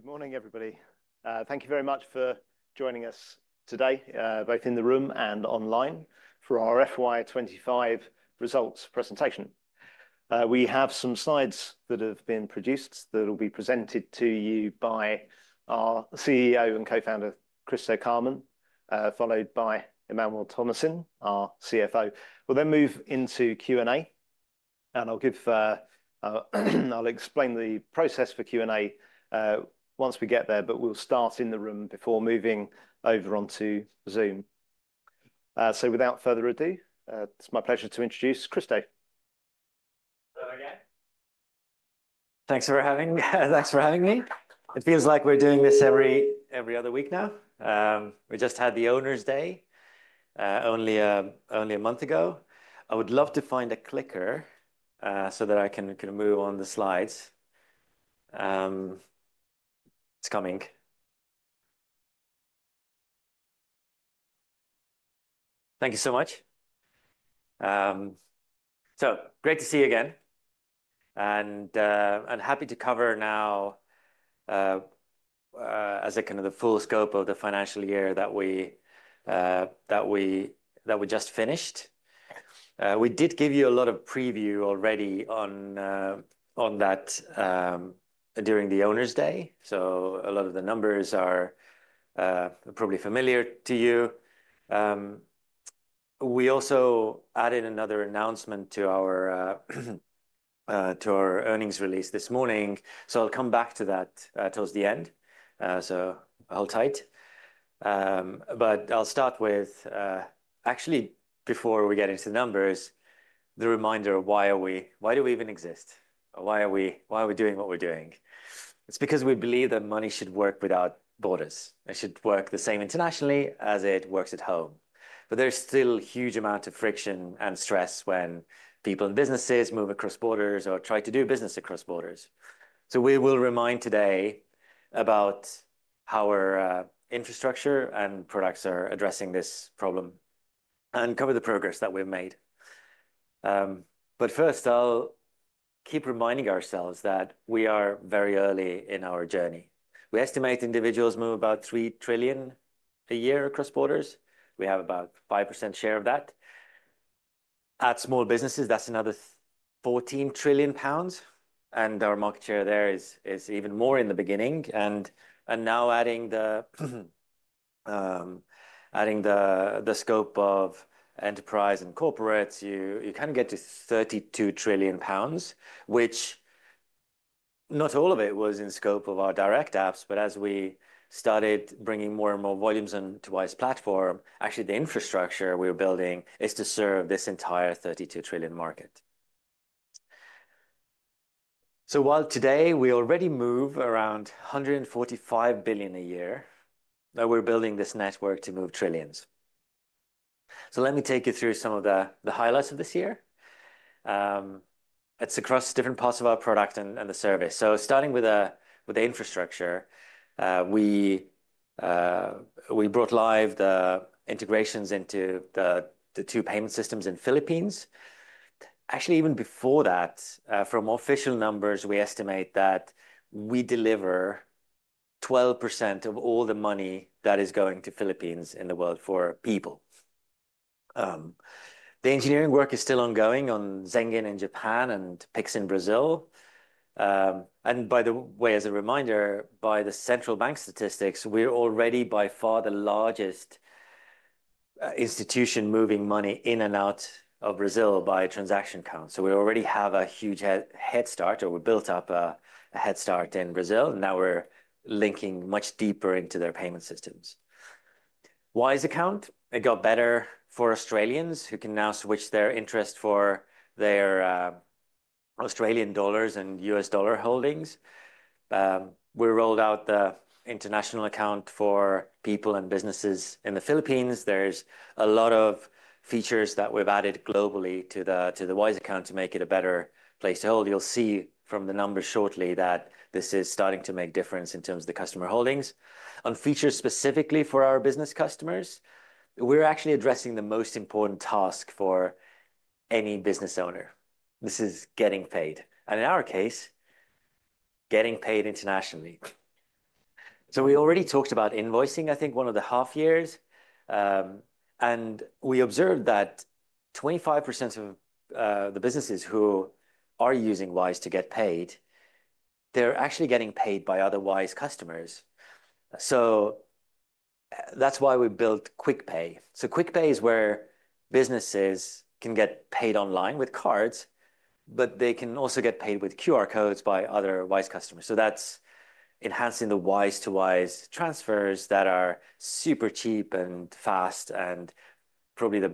Good morning, everybody. Thank you very much for joining us today, both in the room and online, for our FY 2025 results presentation. We have some slides that have been produced that will be presented to you by our CEO and co-founder, Kristo Käärmann, followed by Emmanuel Thomassin, our CFO. We'll then move into Q&A, and I'll explain the process for Q&A once we get there, but we'll start in the room before moving over onto Zoom. Without further ado, it's my pleasure to introduce Kristo. Thanks for having me. It feels like we're doing this every other week now. We just had the Owners' Day only a month ago. I would love to find a clicker so that I can kind of move on the slides. It's coming. Thank you so much. Great to see you again, and happy to cover now, as a kind of the full scope of the financial year that we just finished. We did give you a lot of preview already on that during the Owners' Day, so a lot of the numbers are probably familiar to you. We also added another announcement to our earnings release this morning, so I'll come back to that towards the end, so hold tight. I'll start with, actually, before we get into the numbers, the reminder of why are we—why do we even exist? Why are we doing what we're doing? It's because we believe that money should work without borders. It should work the same internationally as it works at home. There is still a huge amount of friction and stress when people and businesses move across borders or try to do business across borders. We will remind today about how our infrastructure and products are addressing this problem and cover the progress that we've made. First, I'll keep reminding ourselves that we are very early in our journey. We estimate individuals move about 3 trillion a year across borders. We have about a 5% share of that. At small businesses, that's another 14 trillion pounds, and our market share there is even more in the beginning. Now, adding the scope of enterprise and corporates, you can get to 32 trillion pounds, which not all of it was in scope of our direct apps. As we started bringing more and more volumes into Wise Platform, actually, the infrastructure we're building is to serve this entire 32 trillion market. While today we already move around 145 billion a year, we're building this network to move trillions. Let me take you through some of the highlights of this year. It's across different parts of our product and the service. Starting with the infrastructure, we brought live the integrations into the two payment systems in the Philippines. Actually, even before that, from official numbers, we estimate that we deliver 12% of all the money that is going to the Philippines in the world for people. The engineering work is still ongoing on Zengin in Japan and PIX in Brazil. By the way, as a reminder, by the central bank statistics, we're already by far the largest institution moving money in and out of Brazil by transaction count. We already have a huge head start, or we built up a head start in Brazil. Now we're linking much deeper into their payment systems. Wise Account, it got better for Australians who can now switch their interest for their Australian dollar and us dollar holdings. We rolled out the international account for people and businesses in the Philippines. There are a lot of features that we've added globally to the Wise Account to make it a better place to hold. You'll see from the numbers shortly that this is starting to make a difference in terms of the customer holdings. On features specifically for our business customers, we're actually addressing the most important task for any business owner. This is getting paid, and in our case, getting paid internationally. We already talked about invoicing, I think, one of the half years. We observed that 25% of the businesses who are using Wise to get paid, they're actually getting paid by other Wise customers. That's why we built QuickPay. QuickPay is where businesses can get paid online with cards, but they can also get paid with QR codes by other Wise customers. That's enhancing the Wise to Wise transfers that are super cheap and fast and probably the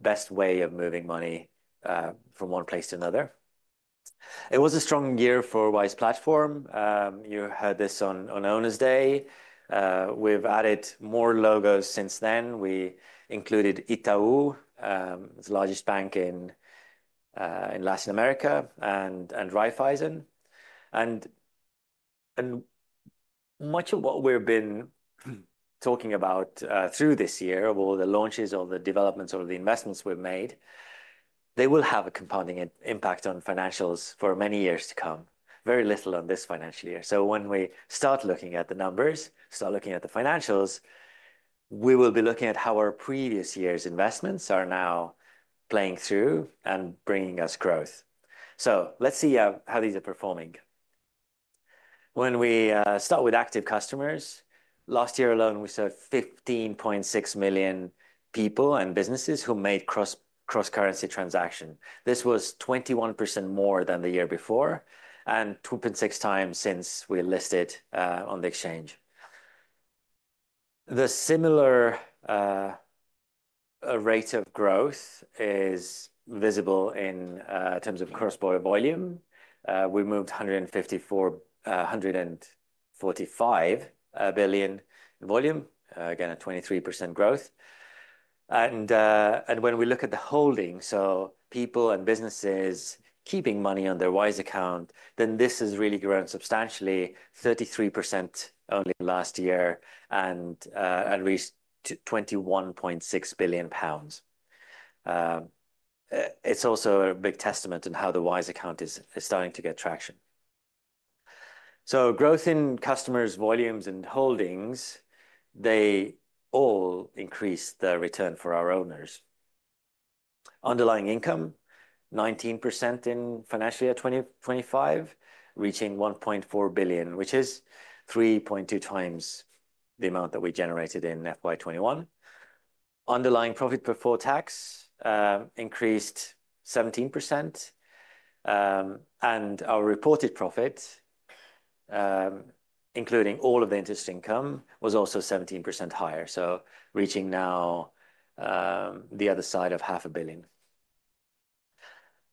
best way of moving money from one place to another. It was a strong year for Wise Platform. You heard this on Owners' Day. We've added more logos since then. We included Itaú, the largest bank in Latin America, and Raiffeisen. Much of what we've been talking about through this year, all the launches of the developments or the investments we've made, they will have a compounding impact on financials for many years to come. Very little on this financial year. When we start looking at the numbers, start looking at the financials, we will be looking at how our previous year's investments are now playing through and bringing us growth. Let's see how these are performing. When we start with active customers, last year alone, we saw 15.6 million people and businesses who made cross-currency transactions. This was 21% more than the year before and 2.6x since we listed on the exchange. The similar rate of growth is visible in terms of cross-border volume. We moved 145 billion volume, again, a 23% growth. When we look at the holdings, so people and businesses keeping money on their Wise account, this has really grown substantially, 33% only last year, and reached 21.6 billion pounds. It is also a big testament to how the Wise account is starting to get traction. Growth in customers, volumes, and holdings, they all increased the return for our owners. Underlying income, 19% in financial year 2025, reaching 1.4 billion, which is 3.2x the amount that we generated in financial year 2021. Underlying profit before tax increased 17%, and our reported profit, including all of the interest income, was also 17% higher, reaching now the other side of 500,000,000.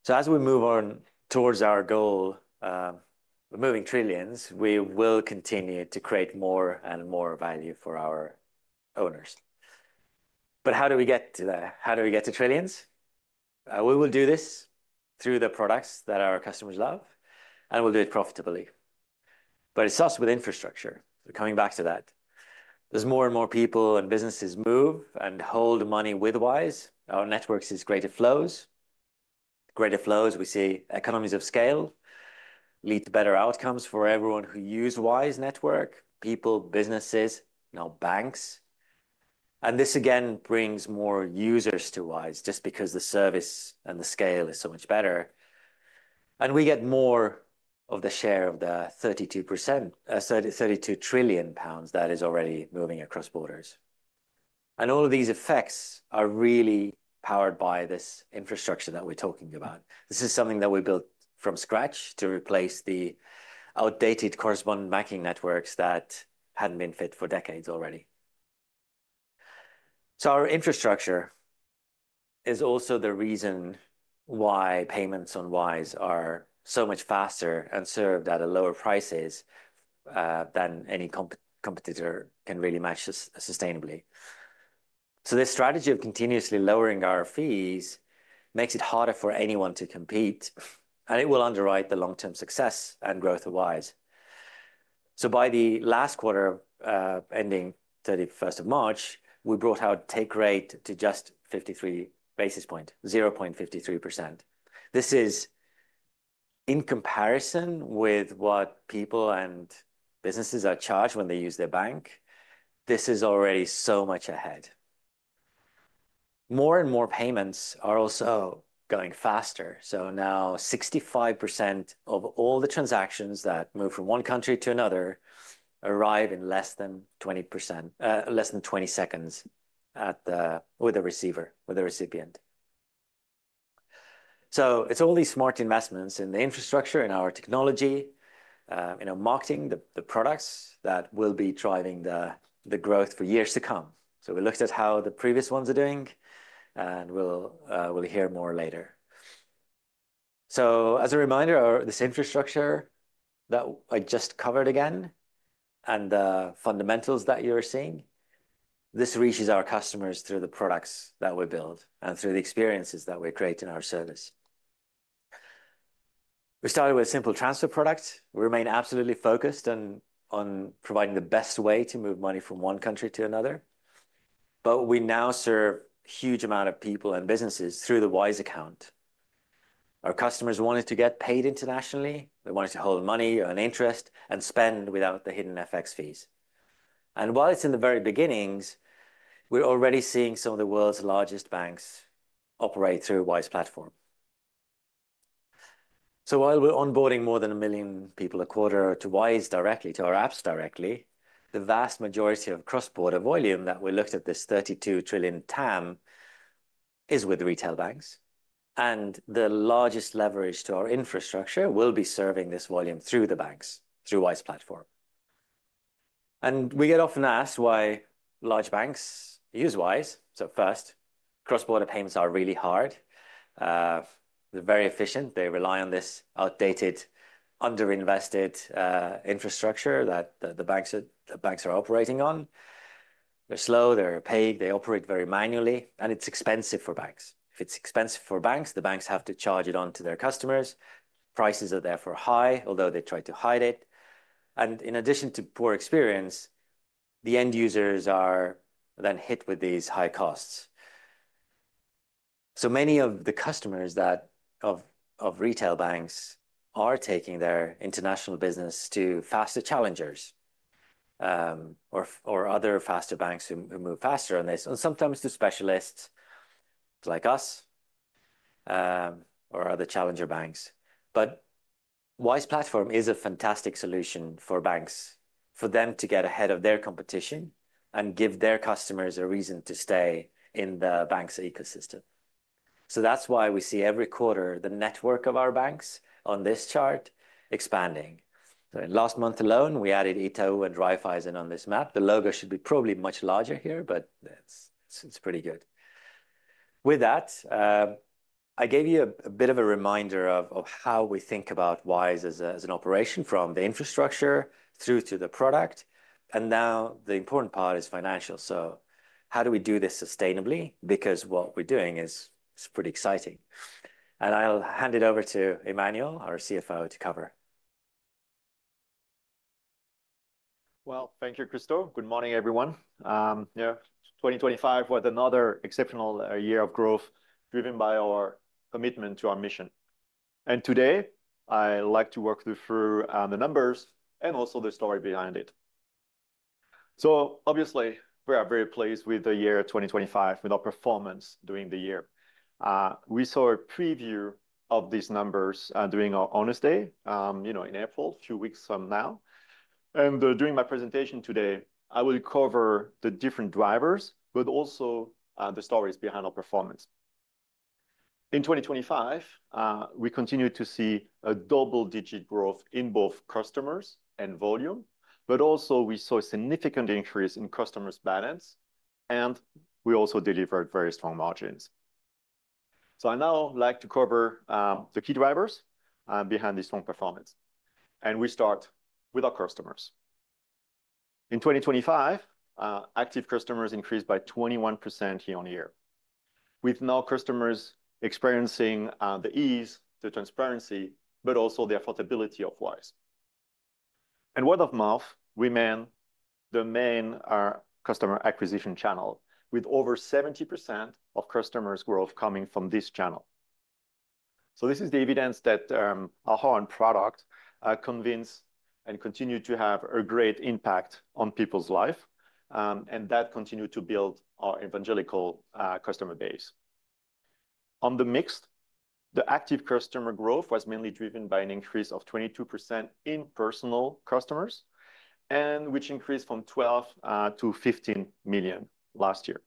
As we move on towards our goal of moving trillions, we will continue to create more and more value for our owners. How do we get to that? How do we get to trillions? We will do this through the products that our customers love, and we'll do it profitably. It starts with infrastructure. We're coming back to that. As more and more people and businesses move and hold money with Wise, our network is greater flows. Greater flows, we see economies of scale lead to better outcomes for everyone who uses Wise Network, people, businesses, now banks. This, again, brings more users to Wise just because the service and the scale is so much better. We get more of the share of the 32 trillion pounds that is already moving across borders. All of these effects are really powered by this infrastructure that we're talking about. This is something that we built from scratch to replace the outdated correspondent banking networks that hadn't been fit for decades already. Our infrastructure is also the reason why payments on Wise are so much faster and served at lower prices than any competitor can really match sustainably. This strategy of continuously lowering our fees makes it harder for anyone to compete, and it will underwrite the long-term success and growth of Wise. By the last quarter ending 31st of March, we brought our take rate to just 53 basis points, 0.53%. This is in comparison with what people and businesses are charged when they use their bank. This is already so much ahead. More and more payments are also going faster. Now 65% of all the transactions that move from one country to another arrive in less than 20 seconds with the receiver, with the recipient. It is all these smart investments in the infrastructure, in our technology, in our marketing, the products that will be driving the growth for years to come. We looked at how the previous ones are doing, and we will hear more later. As a reminder, this infrastructure that I just covered again and the fundamentals that you are seeing, this reaches our customers through the products that we build and through the experiences that we create in our service. We started with a simple transfer product. We remain absolutely focused on providing the best way to move money from one country to another. We now serve a huge amount of people and businesses through the Wise Account. Our customers wanted to get paid internationally. They wanted to hold money on interest and spend without the hidden FX fees. While it's in the very beginnings, we're already seeing some of the world's largest banks operate through Wise Platform. While we're onboarding more than a million people a quarter to Wise directly, to our apps directly, the vast majority of cross-border volume that we looked at, this 32 trillion TAM, is with retail banks. The largest leverage to our infrastructure will be serving this volume through the banks, through Wise Platform. We get often asked why large banks use Wise. First, cross-border payments are really hard. They're very inefficient. They rely on this outdated, underinvested infrastructure that the banks are operating on. They're slow. They're paid. They operate very manually. It's expensive for banks. If it's expensive for banks, the banks have to charge it on to their customers. Prices are therefore high, although they try to hide it. In addition to poor experience, the end users are then hit with these high costs. Many of the customers of retail banks are taking their international business to faster challengers or other faster banks who move faster on this, and sometimes to specialists like us or other challenger banks. Wise Platform is a fantastic solution for banks, for them to get ahead of their competition and give their customers a reason to stay in the bank's ecosystem. That is why we see every quarter the network of our banks on this chart expanding. Last month alone, we added Itaú and Raiffeisen on this map. The logo should be probably much larger here, but it is pretty good. With that, I gave you a bit of a reminder of how we think about Wise as an operation from the infrastructure through to the product. Now the important part is financial. How do we do this sustainably? Because what we're doing is pretty exciting. I'll hand it over to Emmanuel, our CFO, to cover. Thank you, Kristo. Good morning, everyone. Yeah, 2025 was another exceptional year of growth driven by our commitment to our mission. Today, I'd like to walk you through the numbers and also the story behind it. Obviously, we are very pleased with the year 2025, with our performance during the year. We saw a preview of these numbers during our Honors' Day in April, a few weeks from now. During my presentation today, I will cover the different drivers, but also the stories behind our performance. In 2025, we continue to see a double-digit growth in both customers and volume, but also we saw a significant increase in customers' balance, and we also delivered very strong margins. I would now like to cover the key drivers behind this strong performance. We start with our customers. In 2025, active customers increased by 21% year on year, with now customers experiencing the ease, the transparency, but also the affordability of Wise. Word of mouth remains the main customer acquisition channel, with over 70% of customers' growth coming from this channel. This is the evidence that our product convinced and continued to have a great impact on people's lives, and that continued to build our evangelical customer base. On the mix, the active customer growth was mainly driven by an increase of 22% in personal customers, which increased from 12 to 15 million last year.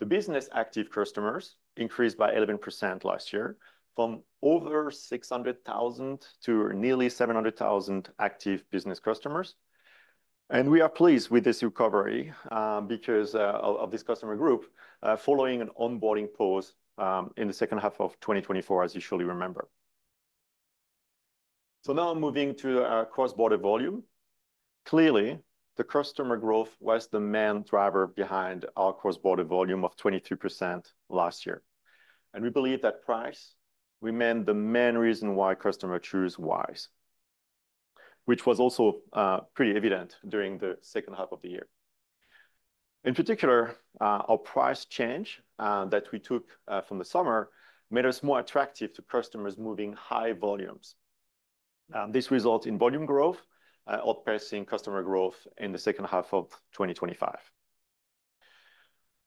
The business active customers increased by 11% last year, from over 600,000 to nearly 700,000 active business customers. We are pleased with this recovery because of this customer group following an onboarding pause in the second half of 2024, as you surely remember. Now moving to cross-border volume. Clearly, the customer growth was the main driver behind our cross-border volume of 23% last year. We believe that price remained the main reason why customers choose Wise, which was also pretty evident during the second half of the year. In particular, our price change that we took from the summer made us more attractive to customers moving high volumes. This resulted in volume growth, outpacing customer growth in the second half of 2025.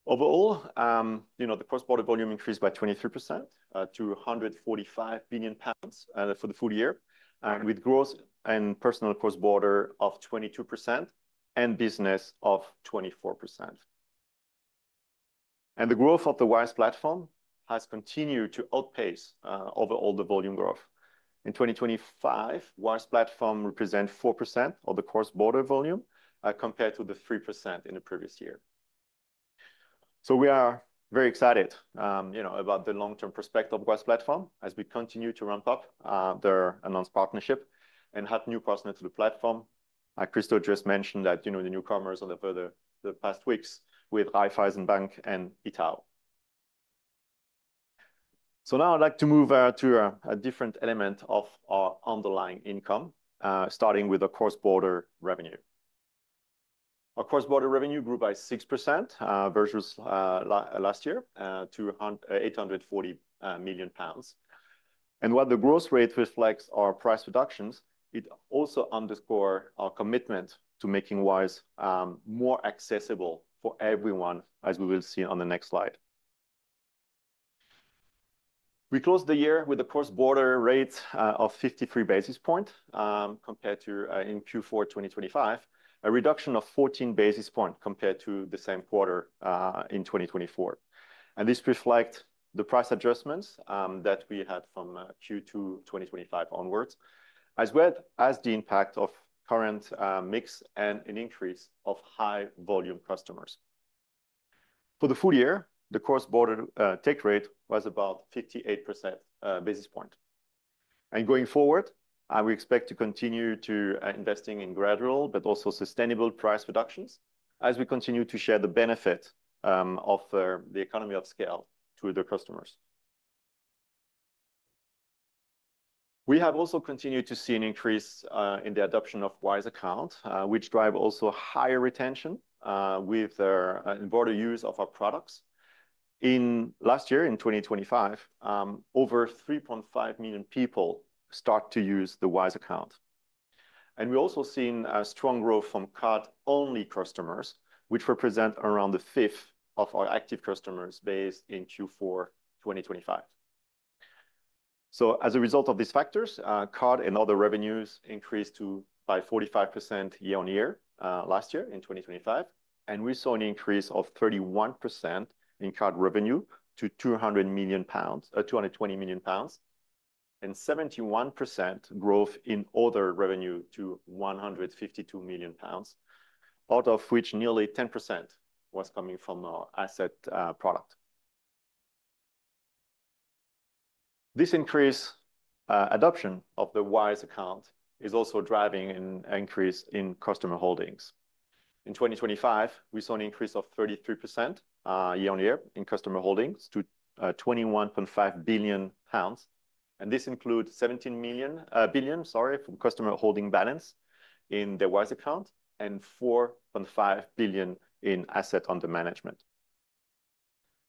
Overall, the cross-border volume increased by 23% to 145 billion pounds for the full year, with growth in personal cross-border of 22% and business of 24%. The growth of the Wise Platform has continued to outpace overall the volume growth. In 2025, Wise Platform represents 4% of the cross-border volume compared to the 3% in the previous year. We are very excited about the long-term perspective of Wise Platform as we continue to ramp up their announced partnership and have new partners to the platform. Kristo just mentioned that the newcomers over the past weeks were Raiffeisen Bank and Itaú. Now I'd like to move to a different element of our underlying income, starting with our cross-border revenue. Our cross-border revenue grew by 6% versus last year to 840 million pounds. While the growth rate reflects our price reductions, it also underscores our commitment to making Wise more accessible for everyone, as we will see on the next slide. We closed the year with a cross-border rate of 53 basis points compared to in Q4 2025, a reduction of 14 basis points compared to the same quarter in 2024. This reflects the price adjustments that we had from Q2 2025 onwards, as well as the impact of current mix and an increase of high-volume customers. For the full year, the cross-border take rate was about 58 basis points. Going forward, we expect to continue to invest in gradual, but also sustainable price reductions as we continue to share the benefit of the economy of scale to the customers. We have also continued to see an increase in the adoption of Wise Account, which drives also higher retention with the broader use of our products. In last year, in 2025, over 3.5 million people started to use the Wise Account. We have also seen a strong growth from card-only customers, which represents around a fifth of our active customers based in Q4 2025. As a result of these factors, card and other revenues increased by 45% year on year last year in 2025. We saw an increase of 31% in card revenue to 200 million-220 million pounds, and 71% growth in other revenue to 152 million pounds, out of which nearly 10% was coming from our asset product. This increased adoption of the Wise Account is also driving an increase in customer holdings. In 2025, we saw an increase of 33% year on year in customer holdings to 21.5 billion pounds. This includes 17 billion, sorry, from customer holding balance in the Wise Account and 4.5 billion in asset under management.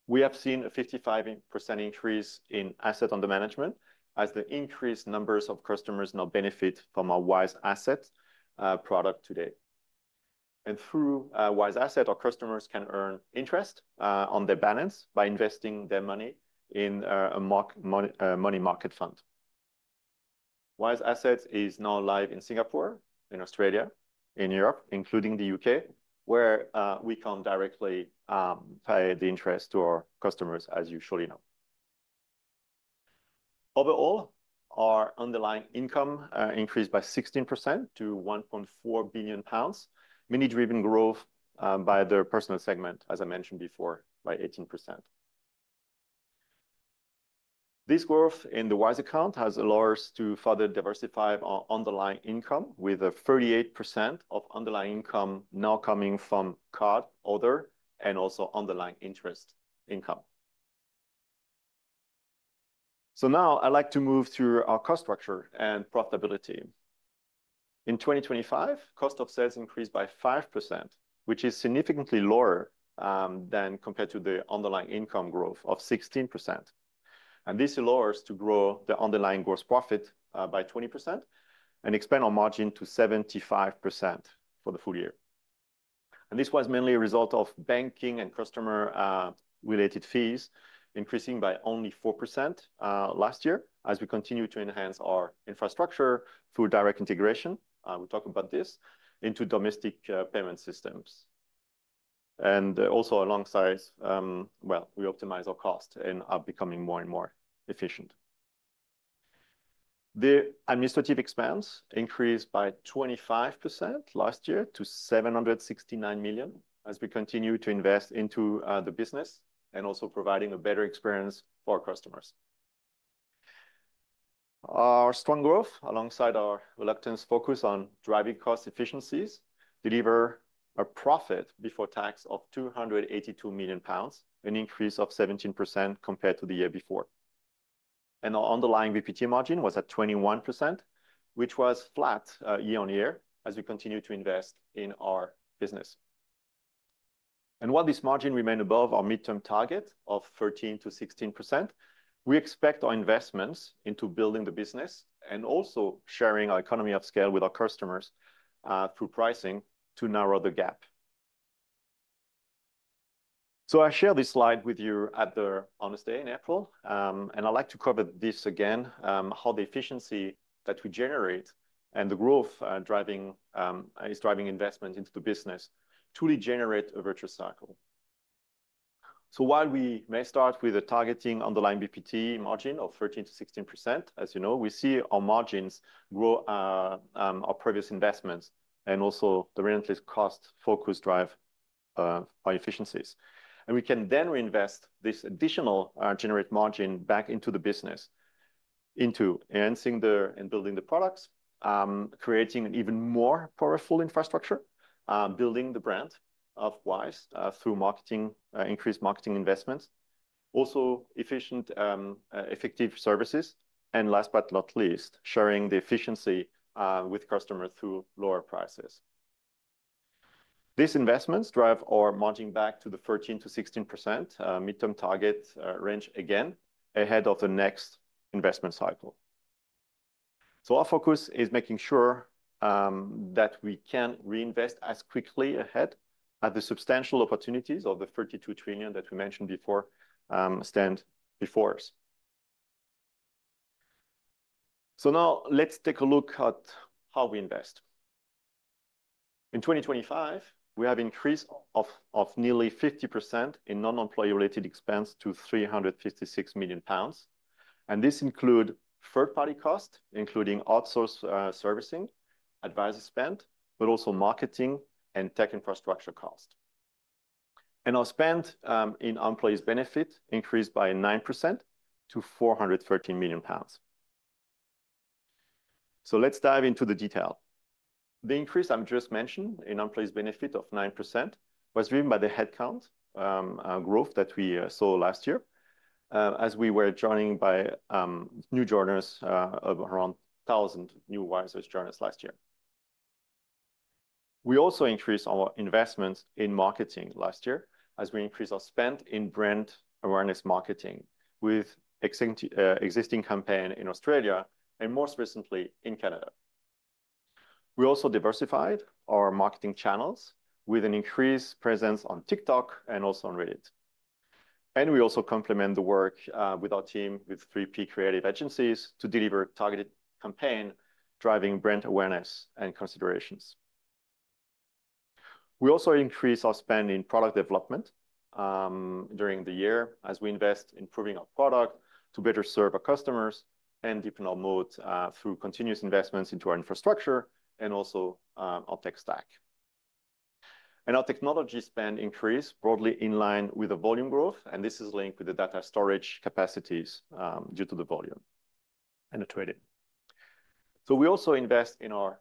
We have seen a 55% increase in asset under management as the increased numbers of customers now benefit from our Wise Asset product today. Through Wise Asset, our customers can earn interest on their balance by investing their money in a money market fund. Wise Asset is now live in Singapore, in Australia, in Europe, including the U.K., where we can directly pay the interest to our customers, as you surely know. Overall, our underlying income increased by 16% to 1.4 billion pounds, mainly driven growth by the personal segment, as I mentioned before, by 18%. This growth in the Wise Account has allowed us to further diversify our underlying income, with 38% of underlying income now coming from card, other, and also underlying interest income. Now I'd like to move to our cost structure and profitability. In 2025, cost of sales increased by 5%, which is significantly lower than compared to the underlying income growth of 16%. This allowed us to grow the underlying gross profit by 20% and expand our margin to 75% for the full year. This was mainly a result of banking and customer-related fees increasing by only 4% last year as we continue to enhance our infrastructure through direct integration. We talk about this into domestic payment systems. Also, alongside, we optimize our costs and are becoming more and more efficient. The administrative expense increased by 25% last year to 769 million as we continue to invest into the business and also providing a better experience for our customers. Our strong growth, alongside our relentless focus on driving cost efficiencies, delivered a profit before tax of 282 million pounds, an increase of 17% compared to the year before. Our underlying VPT margin was at 21%, which was flat year on year as we continue to invest in our business. While this margin remained above our midterm target of 13%-16%, we expect our investments into building the business and also sharing our economy of scale with our customers through pricing to narrow the gap. I share this slide with you at the Owners' Day in April, and I'd like to cover this again, how the efficiency that we generate and the growth driving is driving investment into the business truly generates a virtuous cycle. While we may start with a targeting underlying VPT margin of 13%-16%, as you know, we see our margins grow our previous investments and also the relentless cost-focused drive by efficiencies. We can then reinvest this additional generated margin back into the business, into enhancing the and building the products, creating an even more powerful infrastructure, building the brand of Wise through marketing, increased marketing investments, also efficient, effective services, and last but not least, sharing the efficiency with customers through lower prices. These investments drive our margin back to the 13%-16% midterm target range again ahead of the next investment cycle. Our focus is making sure that we can reinvest as quickly ahead as the substantial opportunities of the 32 trillion that we mentioned before stand before us. Now let's take a look at how we invest. In 2025, we have an increase of nearly 50% in non-employee-related expense to 356 million pounds. This includes third-party costs, including outsource servicing, advisor spend, but also marketing and tech infrastructure costs. Our spend in employees' benefit increased by 9% to 413 million pounds. Let's dive into the detail. The increase I just mentioned in employees' benefit of 9% was driven by the headcount growth that we saw last year as we were joined by new joiners of around 1,000 new Wise-based joiners last year. We also increased our investments in marketing last year as we increased our spend in brand awareness marketing with existing campaigns in Australia and most recently in Canada. We also diversified our marketing channels with an increased presence on TikTok and also on Reddit. We also complement the work with our team with three key creative agencies to deliver targeted campaigns driving brand awareness and considerations. We also increased our spend in product development during the year as we invest in improving our product to better serve our customers and deepen our moat through continuous investments into our infrastructure and also our tech stack. Our technology spend increased broadly in line with the volume growth, and this is linked with the data storage capacities due to the volume and the trading. We also invest in our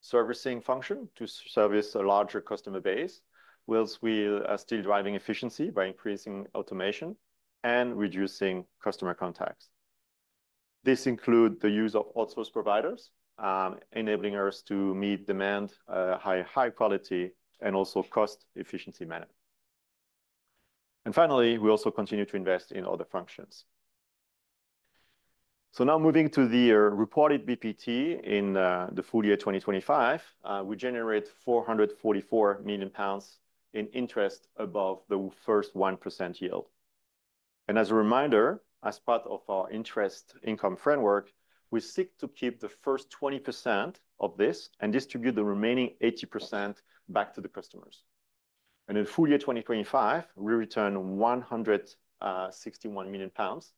servicing function to service a larger customer base, whilst we are still driving efficiency by increasing automation and reducing customer contacts. This includes the use of outsource providers, enabling us to meet demand high, high quality, and also cost-efficient demand. Finally, we also continue to invest in other functions. Now moving to the reported VPT in the full year 2025, we generate 444 million pounds in interest above the first 1% yield. As a reminder, as part of our interest income framework, we seek to keep the first 20% of this and distribute the remaining 80% back to the customers. In full year 2025, we return 161 million pounds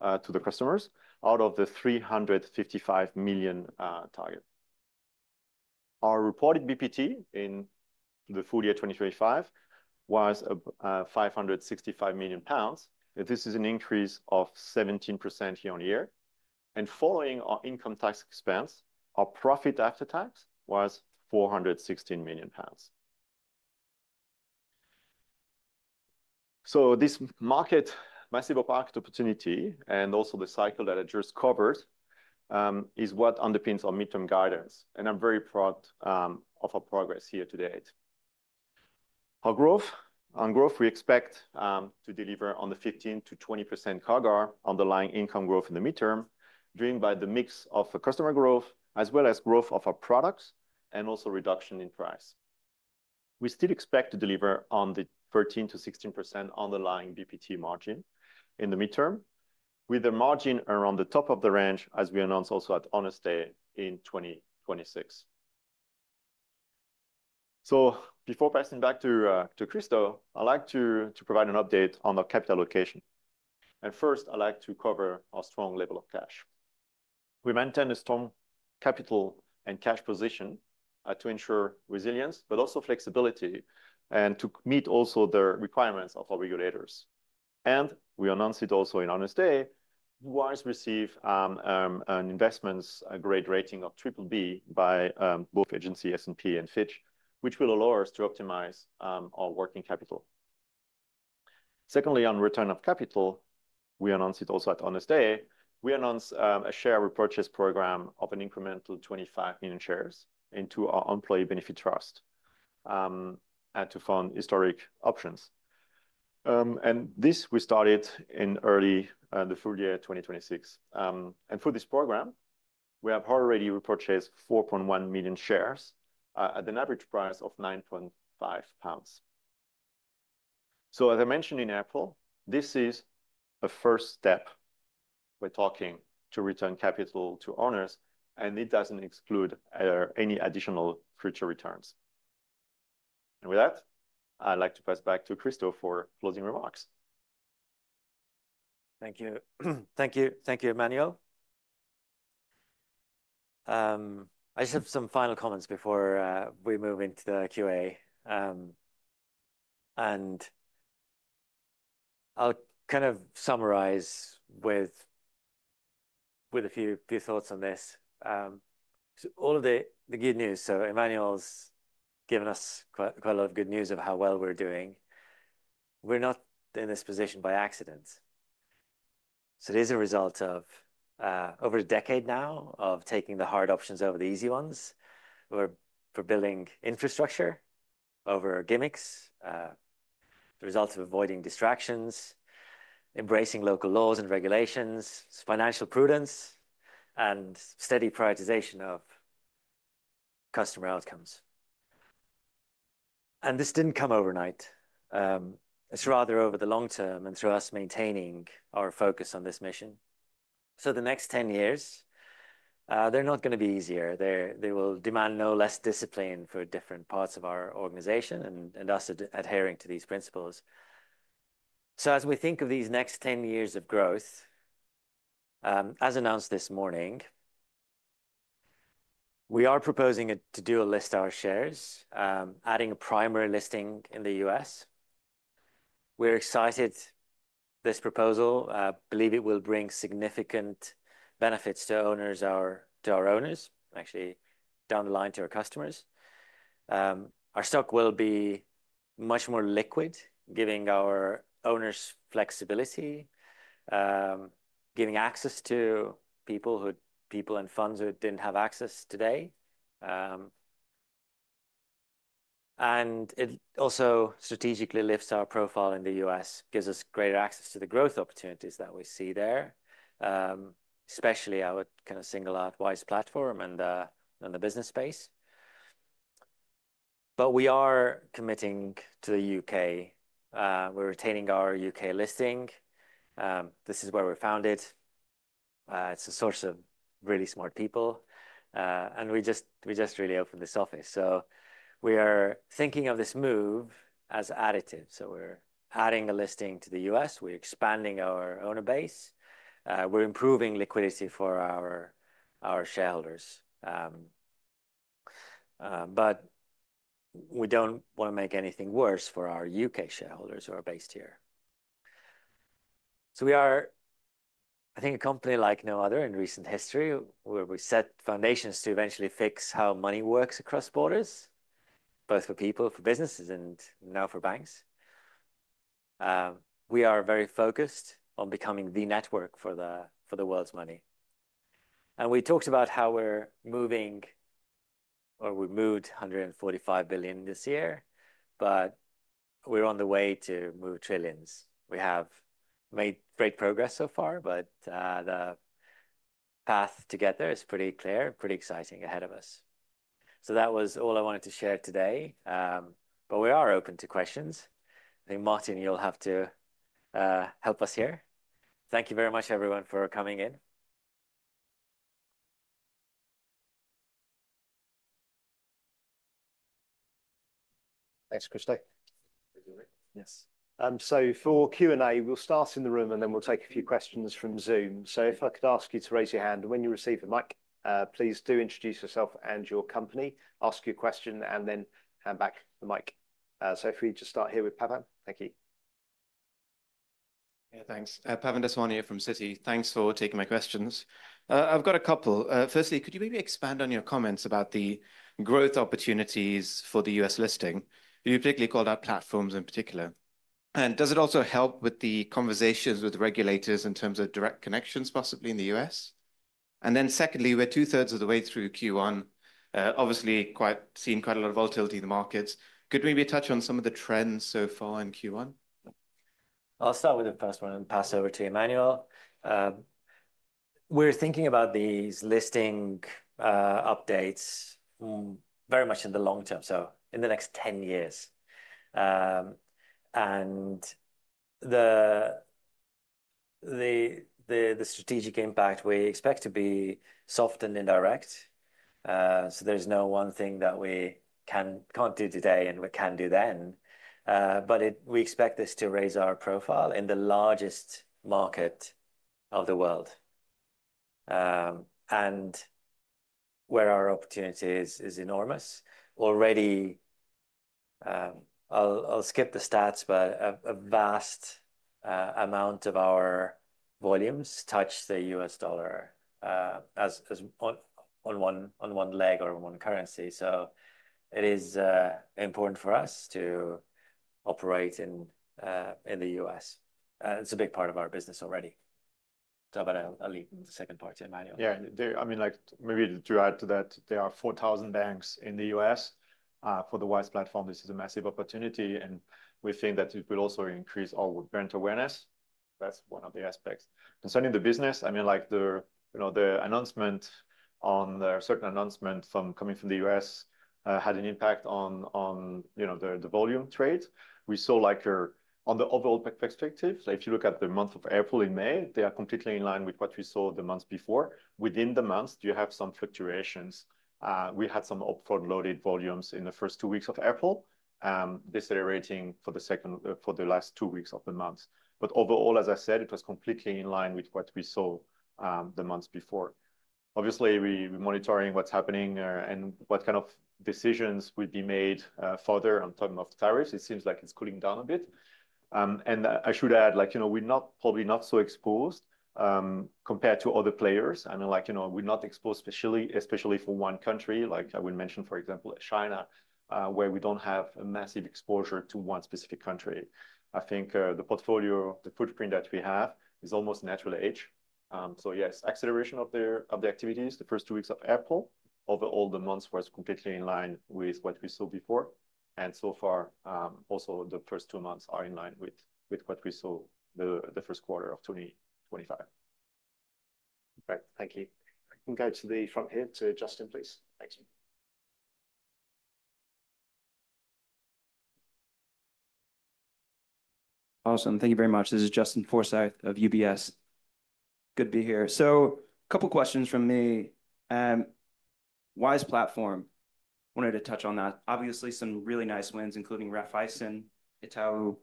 to the customers out of the 355 million target. Our reported VPT in the full year 2025 was 565 million pounds. This is an increase of 17% year on year. Following our income tax expense, our profit after tax was 416 million pounds. This market, massive market opportunity, and also the cycle that I just covered is what underpins our midterm guidance. I'm very proud of our progress here to date. Our growth and growth we expect to deliver on the 15%-20% CAGR underlying income growth in the midterm, driven by the mix of customer growth as well as growth of our products and also reduction in price. We still expect to deliver on the 13%-16% underlying VPT margin in the midterm, with the margin around the top of the range as we announced also at Honors' Day in 2026. Before passing back to Kristo, I'd like to provide an update on our capital allocation. First, I'd like to cover our strong level of cash. We maintain a strong capital and cash position to ensure resilience, but also flexibility and to meet also the requirements of our regulators. We announced it also in Owners' Day. Wise received an investment grade rating of triple B by both agencies, S&P and Fitch, which will allow us to optimize our working capital. Secondly, on return of capital, we announced it also at Owners' Day. We announced a share repurchase program of an incremental 25 million shares into our employee benefit trust to fund historic options. This we started in early the full year 2026. For this program, we have already repurchased 4.1 million shares at an average price of 9.5 pounds. As I mentioned in April, this is a first step we are talking to return capital to owners, and it does not exclude any additional future returns. And with that I'd like to pass back to Kristo with remarks. Thank you. Thank you, Emmanuel. I just have some final comments before we move into the Q&A. I'll kind of summarize with a few thoughts on this. All of the good news, Emmanuel's given us quite a lot of good news of how well we're doing. We're not in this position by accident. It is a result of over a decade now of taking the hard options over the easy ones. We're building infrastructure over gimmicks, the result of avoiding distractions, embracing local laws and regulations, financial prudence, and steady prioritization of customer outcomes. This didn't come overnight. It's rather over the long term and through us maintaining our focus on this mission. The next 10 years, they're not going to be easier. They will demand no less discipline for different parts of our organization and us adhering to these principles. As we think of these next 10 years of growth, as announced this morning, we are proposing to dual-list our shares, adding a primary listing in the U.S. We are excited about this proposal. I believe it will bring significant benefits to our owners, actually down the line to our customers. Our stock will be much more liquid, giving our owners flexibility, giving access to people and funds who did not have access today. It also strategically lifts our profile in the U.S., gives us greater access to the growth opportunities that we see there, especially our kind of single-out Wise Platform and the business space. We are committing to the U.K. We are retaining our U.K. listing. This is where we are founded. It is a source of really smart people. We just really opened this office. We are thinking of this move as additive. We are adding a listing to the U.S. We are expanding our owner base. We are improving liquidity for our shareholders. We do not want to make anything worse for our U.K. shareholders who are based here. We are, I think, a company like no other in recent history where we set foundations to eventually fix how money works across borders, both for people, for businesses, and now for banks. We are very focused on becoming the network for the world's money. We talked about how we are moving, or we moved $145 billion this year, but we are on the way to move trillions. We have made great progress so far, but the path together is pretty clear and pretty exciting ahead of us. That was all I wanted to share today. But we are open to questions. I think Martin, you'll have to help us here. Thank you very much, everyone, for coming in. Thanks, Kristo. Yes. For Q&A, we'll start in the room and then we'll take a few questions from Zoom. If I could ask you to raise your hand when you receive the mic, please do introduce yourself and your company, ask your question, and then hand back the mic. If we just start here with Pavan. Thank you. Yeah, thanks. Pavan Deswanifrom Citi. Thanks for taking my questions. I've got a couple. Firstly, could you maybe expand on your comments about the growth opportunities for the U.S. listing? You particularly called out platforms in particular. Does it also help with the conversations with regulators in terms of direct connections possibly in the U.S.? Then secondly, we're two-thirds of the way through Q1, obviously seeing quite a lot of volatility in the markets. Could we maybe touch on some of the trends so far in Q1? I'll start with the first one and pass over to Emmanuel. We're thinking about these listing updates very much in the long term, so in the next 10 years. The strategic impact we expect to be soft and indirect. There is no one thing that we cannot do today and we can do then. We expect this to raise our profile in the largest market of the world. Where our opportunity is enormous already, I'll skip the stats, but a vast amount of our volumes touch the U.S. dollar on one leg or one currency. It is important for us to operate in the U.S. It's a big part of our business already. I'll leave the second part to Emmanuel. Yeah, I mean, like maybe to add to that, there are 4,000 banks in the U.S. For the Wise Platform, this is a massive opportunity. We think that it will also increase our brand awareness. That's one of the aspects. Concerning the business, I mean, like the announcement on a certain announcement from coming from the U.S. had an impact on the volume trade. We saw like on the overall perspective, if you look at the month of April and May, they are completely in line with what we saw the month before. Within the month, you have some fluctuations. We had some upfront loaded volumes in the first two weeks of April, decelerating for the second for the last two weeks of the month. Overall, as I said, it was completely in line with what we saw the month before. Obviously, we're monitoring what's happening and what kind of decisions will be made further on top of tariffs. It seems like it's cooling down a bit. I should add, like, you know, we're probably not so exposed compared to other players. I mean, like, you know, we're not exposed especially for one country, like I would mention, for example, China, where we don't have a massive exposure to one specific country. I think the portfolio, the footprint that we have is almost natural hedge. Yes, acceleration of the activities, the first two weeks of April, over all the months was completely in line with what we saw before. So far, also the first two months are in line with what we saw the first quarter of 2025. Great. Thank you. I can go to the front here to Justin, please. Thanks. Awesome. Thank you very much. This is Justin Forsythe of UBS. Good to be here. So a couple of questions from me. Wise Platform, wanted to touch on that. Obviously, some really nice wins, including Raiffeisen, Itaú.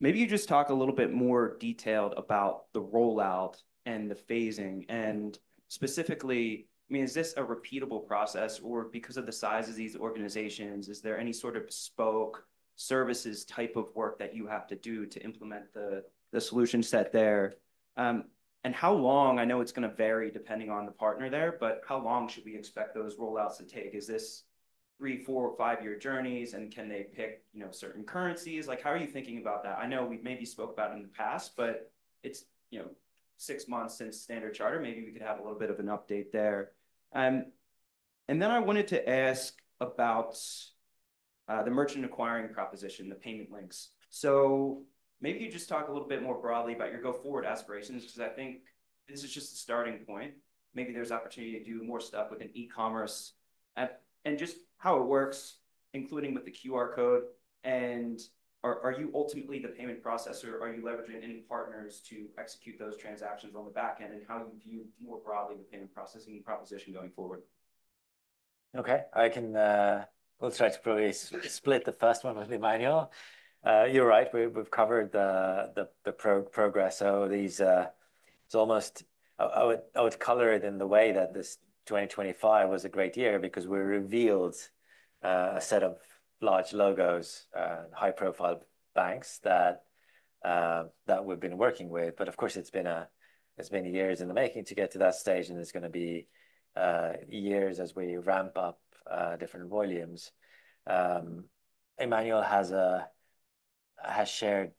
Maybe you just talk a little bit more detailed about the rollout and the phasing. And specifically, I mean, is this a repeatable process or because of the size of these organizations, is there any sort of bespoke services type of work that you have to do to implement the solution set there? And how long, I know it's going to vary depending on the partner there, but how long should we expect those rollouts to take? Is this three, four, or five-year journeys and can they pick certain currencies? Like, how are you thinking about that? I know we maybe spoke about it in the past, but it's, you know, six months since Standard Chartered. Maybe we could have a little bit of an update there. I wanted to ask about the merchant acquiring proposition, the payment links. Maybe you just talk a little bit more broadly about your go-forward aspirations because I think this is just a starting point. Maybe there's opportunity to do more stuff with e-commerce and just how it works, including with the QR code. Are you ultimately the payment processor? Are you leveraging any partners to execute those transactions on the back end and how you view more broadly the payment processing proposition going forward? Okay, I can try to probably split the first one with Emmanuel. You're right. We've covered the progress. It's almost, I would color it in the way that this 2025 was a great year because we revealed a set of large logos, high-profile banks that we've been working with. Of course, it's been years in the making to get to that stage and it's going to be years as we ramp up different volumes. Emmanuel has shared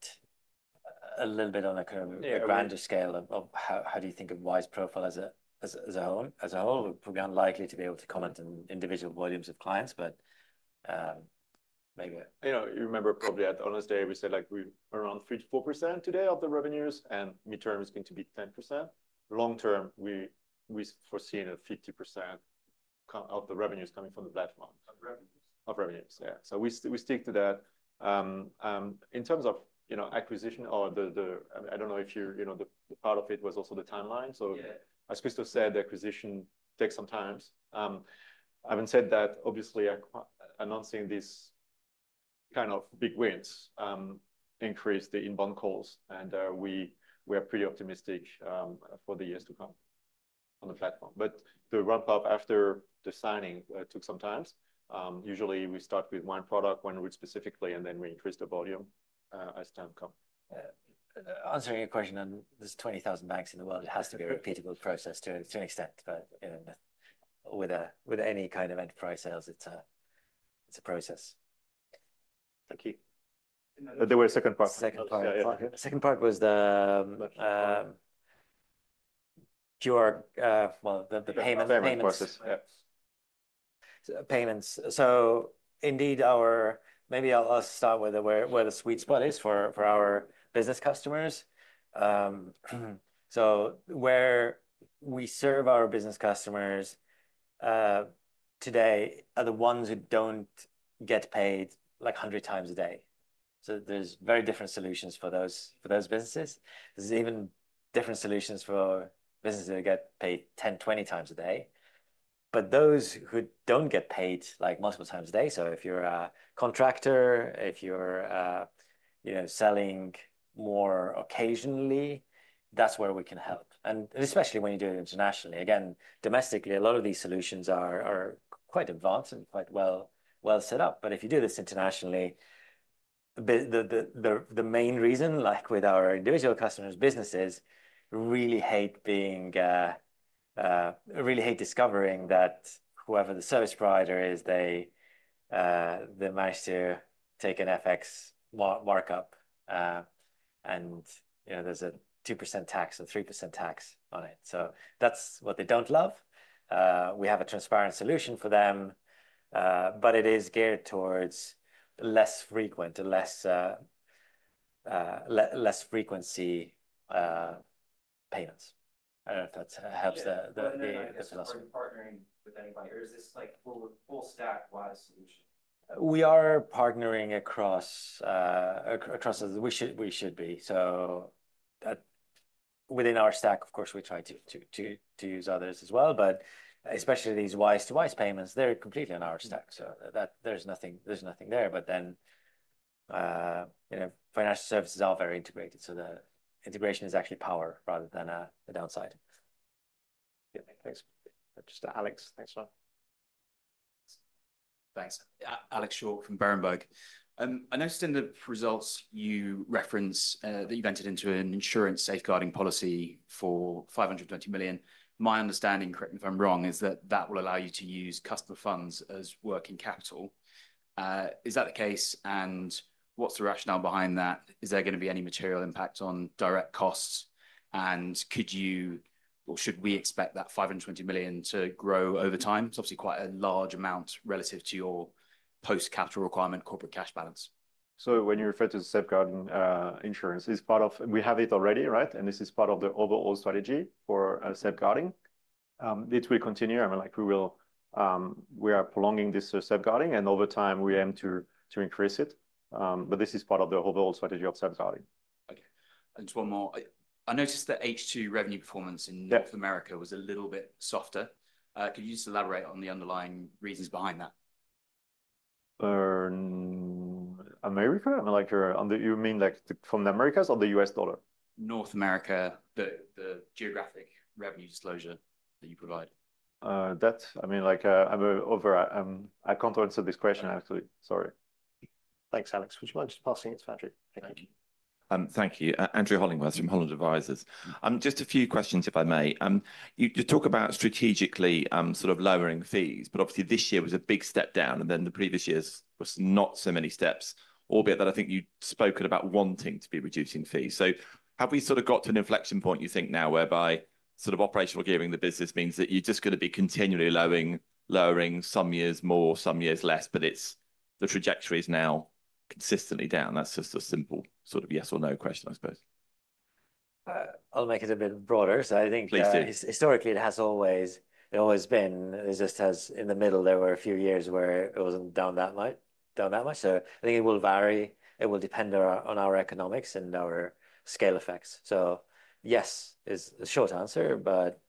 a little bit on a kind of a grander scale of how do you think of Wise profile as a whole. We're unlikely to be able to comment on individual volumes of clients, but maybe. You know, you remember probably at Honors Day, we said like we're around 3-4% today of the revenues and midterm is going to be 10%. Long term, we foresee a 50% of the revenues coming from the platform. Of revenues. Of revenues, yeah. We stick to that. In terms of, you know, acquisition or the, I do not know if you, you know, the part of it was also the timeline. As Kristo said, the acquisition takes some time. I have not said that obviously announcing this kind of big wins increased the inbound calls and we are pretty optimistic for the years to come on the platform. The ramp-up after the signing took some time. usually, we start with one product, one route specifically, and then we increase the volume as time comes. Answering your question on this 20,000 banks in the world, it has to be a repeatable process to an extent, but with any kind of enterprise sales, it is a process. Thank you. There was a second part. Second part was the pure, well, the payments. Payments, yes. Payments. Indeed, maybe I will start with where the sweet spot is for our business customers. Where we serve our business customers today are the ones who do not get paid like 100 times a day. There are very different solutions for those businesses. There are even different solutions for businesses that get paid 10x-20x a day. Those who do not get paid like multiple times a day, so if you are a contractor, if you are selling more occasionally, that is where we can help. Especially when you do it internationally. Domestically, a lot of these solutions are quite advanced and quite well set up. If you do this internationally, the main reason, like with our individual customers, businesses really hate discovering that whoever the service provider is, they managed to take an FX markup and there is a 2% tax or 3% tax on it. That is what they do not love. We have a transparent solution for them, but it is geared towards less frequency, less frequency payments. I do not know if that helps the philosophy. Are you partnering with anybody or is this like full-stack Wise solution? We are partnering across U.S.. We should be. So within our stack, of course, we try to use others as well, but especially these Wise to Wise payments, they are completely on our stack. There is nothing there. But then financial services are very integrated. The integration is actually power rather than a downside. Thanks. Just Alex, next one. Thanks. Alex Short from Berenberg. I noticed in the results you reference that you have entered into an insurance safeguarding policy for $520 million. My understanding, correct me if I am wrong, is that that will allow you to use customer funds as working capital. Is that the case? And what is the rationale behind that? Is there going to be any material impact on direct costs? Could you or should we expect that 520 million to grow over time? It's obviously quite a large amount relative to your post-capital requirement corporate cash balance. When you refer to the safeguarding insurance, it's part of, we have it already, right? This is part of the overall strategy for safeguarding. It will continue. I mean, like we are prolonging this safeguarding and over time we aim to increase it. This is part of the overall strategy of safeguarding. Okay. One more. I noticed that H2 revenue performance in North America was a little bit softer. Could you just elaborate on the underlying reasons behind that? America? I mean, like you mean like from the Americas or the U.S. dollar? North America, the geographic revenue disclosure that you provide. That, I mean, like I'm over, I can't answer this question, actually. Sorry. Thanks, Alex. Would you mind just passing it to Patrick? Thank you. Thank you. Andrew Hollingworth from Holland Advisors. Just a few questions if I may. You talk about strategically sort of lowering fees, but obviously this year was a big step down and then the previous years was not so many steps, albeit that I think you'd spoken about wanting to be reducing fees. Have we sort of got to an inflection point, you think, now whereby sort of operational gearing the business means that you're just going to be continually lowering some years more, some years less, but the trajectory is now consistently down. That's just a simple sort of yes or no question, I suppose. I'll make it a bit broader. I think historically it has always been, it just has in the middle, there were a few years where it was not down that much. I think it will vary. It will depend on our economics and our scale effects. Yes, it is a short answer, but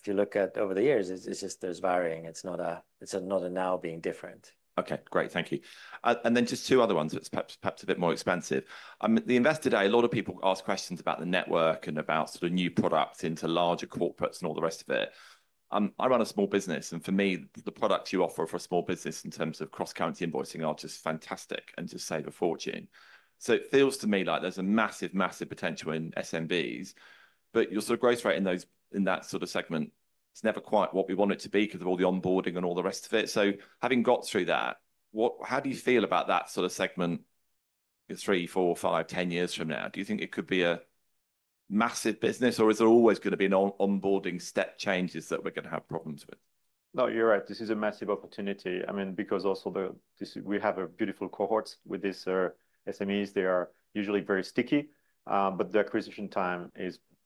if you look at over the years, it is just there is varying. It is not a now being different. Okay, great. Thank you. Then just two other ones that are perhaps a bit more expansive. The investor today, a lot of people ask questions about the network and about sort of new products into larger corporates and all the rest of it. I run a small business and for me, the products you offer for a small business in terms of cross-currency invoicing are just fantastic and just save a fortune. It feels to me like there's a massive, massive potential in SMBs, but your sort of growth rate in that sort of segment, it's never quite what we want it to be because of all the onboarding and all the rest of it. Having got through that, how do you feel about that sort of segment three, four, five, ten years from now? Do you think it could be a massive business or is there always going to be onboarding step changes that we're going to have problems with? No, you're right. This is a massive opportunity. I mean, because also we have a beautiful cohort with these SMEs. They are usually very sticky, but the acquisition time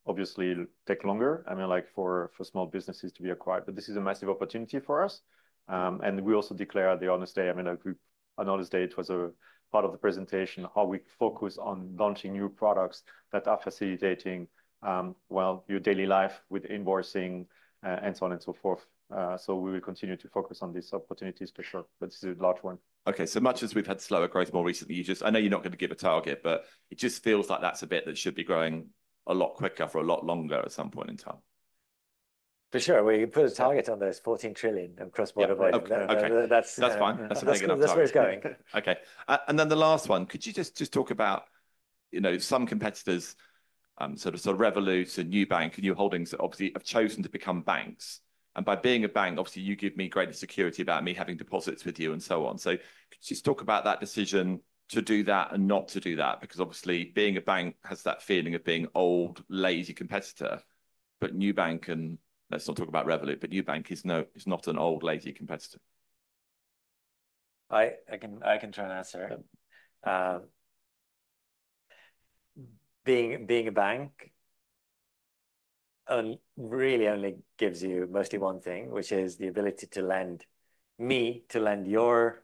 obviously takes longer. I mean, like for small businesses to be acquired, but this is a massive opportunity for us. We also declared the Owners' Day. I mean, on Honors Day, it was a part of the presentation how we focus on launching new products that are facilitating, well, your daily life with invoicing and so on and so forth. We will continue to focus on these opportunities for sure, but this is a large one. Okay, as much as we've had slower growth more recently, you just, I know you're not going to give a target, but it just feels like that's a bit that should be growing a lot quicker for a lot longer at some point in time. For sure. We put a target on those 14 trillion across border by the boat. That's fine. That's a big enough target. That's where it's going. Okay. The last one, could you just talk about, you know, some competitors, sort of Revolut and Nubank and Nu Holdings that obviously have chosen to become banks? By being a bank, obviously you give me greater security about me having deposits with you and so on. Could you just talk about that decision to do that and not to do that? Because obviously being a bank has that feeling of being old, lazy competitor, but Nubank, and let's not talk about Revolut, but Nubank is not an old, lazy competitor. I can try and answer. Being a bank really only gives you mostly one thing, which is the ability to lend me, to lend your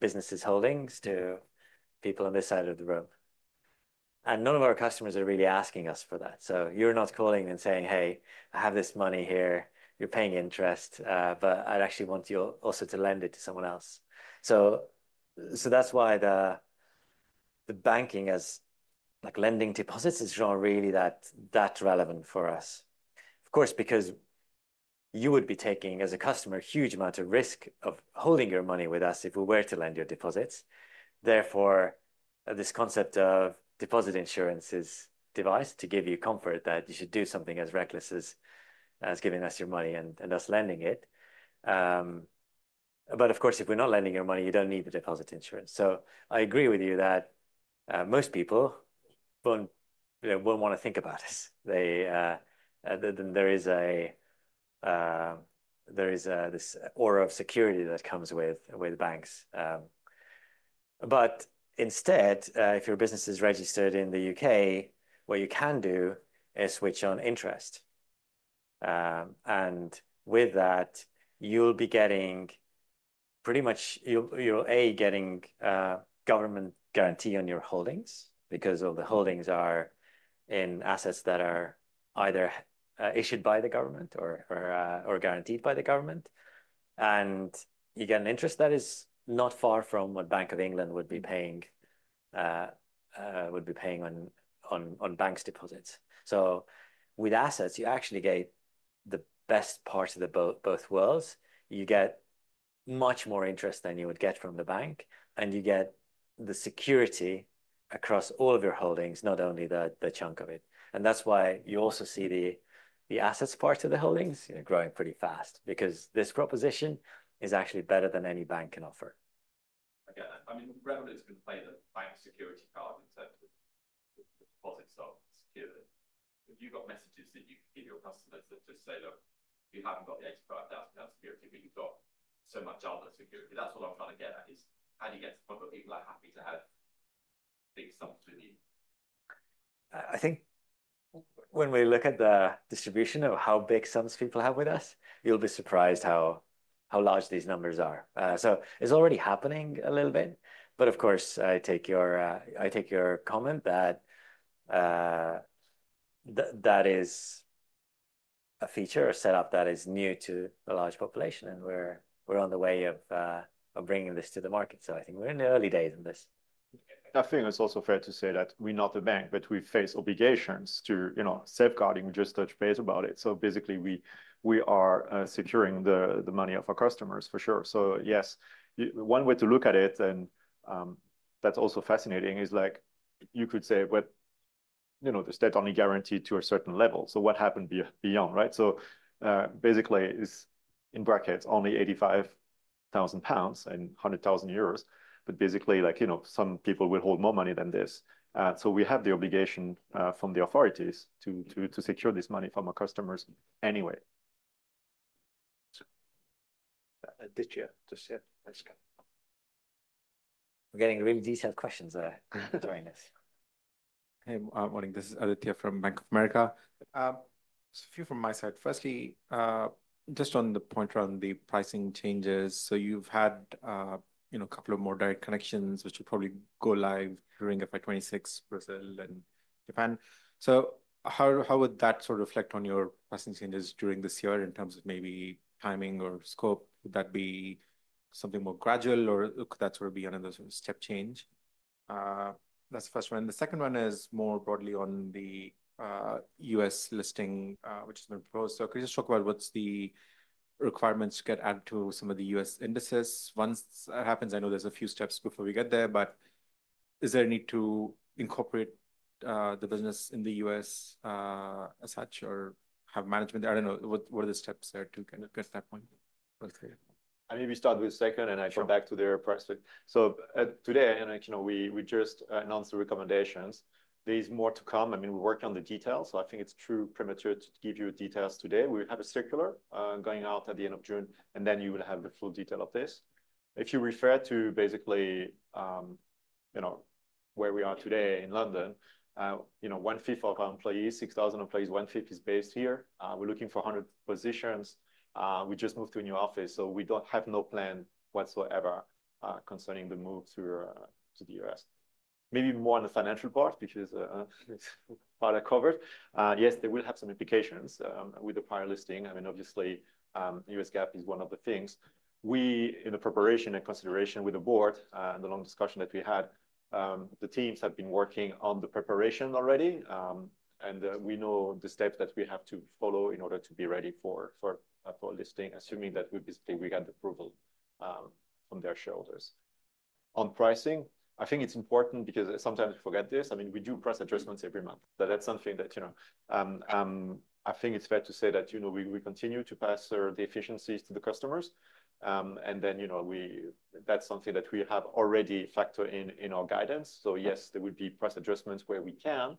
business's holdings to people on this side of the room. None of our customers are really asking us for that. You're not calling and saying, "Hey, I have this money here. You're paying interest, but I'd actually want you also to lend it to someone else." That's why the banking as like lending deposits is really that relevant for us. Of course, because you would be taking as a customer a huge amount of risk of holding your money with us if we were to lend your deposits. Therefore, this concept of deposit insurance is devised to give you comfort that you should do something as reckless as giving us your money and us lending it. Of course, if we're not lending your money, you don't need the deposit insurance. I agree with you that most people won't want to think about it. There is this aura of security that comes with banks. If your business is registered in the U.K., what you can do is switch on interest. With that, you'll be getting pretty much, you're A: getting government guarantee on your holdings because all the holdings are in assets that are either issued by the government or guaranteed by the government. You get an interest that is not far from what Bank of England would be paying on banks' deposits. With assets, you actually get the best parts of both worlds. You get much more interest than you would get from the bank, and you get the security across all of your holdings, not only the chunk of it. That is why you also see the assets part of the holdings growing pretty fast because this proposition is actually better than any bank can offer. Okay. I mean, Revolut's going to play the bank security card in terms of the deposit stock security. Have you got messages that you can give your customers that just say, "Look, you haven't got the 85,000 pounds security, but you've got so much other security"? That's what I'm trying to get at I think when we look at the distribution of how big sums people have with us, you'll be surprised how large these numbers are. It is already happening a little bit. Of course, I take your comment that that is a feature or setup that is new to a large population and we are on the way of bringing this to the market. I think we are in the early days of this. I think it's also fair to say that we're not a bank, but we face obligations to safeguarding. We just touched base about it. Basically, we are securing the money of our customers for sure. Yes, one way to look at it, and that's also fascinating, is like you could say, you know, the state only guaranteed to a certain level. What happened beyond, right? Basically, it's in brackets, only 85,000 pounds and 100,000 euros, but basically, you know, some people will hold more money than this. We have the obligation from the authorities to secure this money from our customers anyway. We're getting really detailed questions there. Joining us. Hey, morning. This is Aditya from Bank of America. Just a few from my side. Firstly, just on the point around the pricing changes. You've had a couple of more direct connections, which will probably go live during FY 2026, Brazil and Japan. How would that sort of reflect on your pricing changes during this year in terms of maybe timing or scope? Would that be something more gradual or could that sort of be another step change? That's the first one. The second one is more broadly on the us listing, which has been proposed. Could you just talk about what's the requirements to get added to some of the us indices? Once that happens, I know there's a few steps before we get there, but is there a need to incorporate the business in the us as such or have management there? I don't know. What are the steps there to kind of get to that point? I maybe start with the second and I come back to the pricing. Today, and actually, we just announced the recommendations. There's more to come. I mean, we're working on the details. I think it's too premature to give you details today. We have a circular going out at the end of June, and then you will have the full detail of this. If you refer to basically where we are today in London, one fifth of our employees, 6,000 employees, one fifth is based here. We're looking for 100 positions. We just moved to a new office, so we don't have any plan whatsoever concerning the move to the U.S. Maybe more on the financial part because it's the part I covered. Yes, they will have some implications with the prior listing. I mean, obviously, U.S. GAAP is one of the things. We, in the preparation and consideration with the board and the long discussion that we had, the teams have been working on the preparation already. We know the steps that we have to follow in order to be ready for listing, assuming that we basically got the approval from their shoulders. On pricing, I think it's important because sometimes we forget this. I mean, we do price adjustments every month. That's something that, you know, I think it's fair to say that, you know, we continue to pass the efficiencies to the customers. You know, that's something that we have already factored in our guidance. Yes, there would be price adjustments where we can.